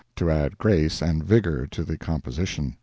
to add grace and vigor to the composition.